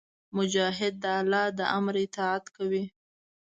مجاهد د الله د امر اطاعت کوي.